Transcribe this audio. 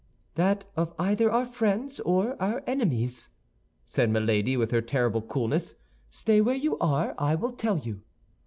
"That of either our friends or our enemies," said Milady, with her terrible coolness. "Stay where you are, I will tell you."